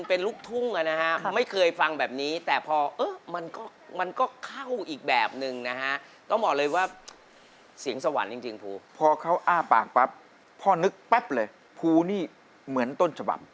พอนึกแป๊บเลยภูนี่เหมือนต้นฉบับ